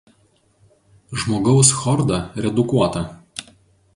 Žmogaus chorda redukuota.